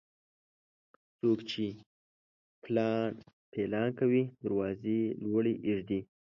څوک چې پيلان کوي، دروازې لوړي اېږدي.